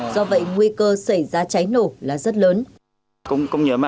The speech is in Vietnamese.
do vậy nguy cơ xảy ra cháy nổ là rất lớn